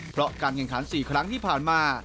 เพราะการแข่งขัน๔ครั้งที่ผ่านมา